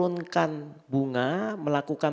yang dua lima sembilan